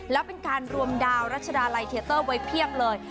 แล้วเป็นการรวมดาวรัชดาลัยเทียเตอร์ไว้เพียบเลย